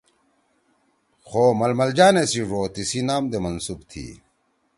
خو ململ جانے سی ڙو تیِسی نام دے منسوب تھی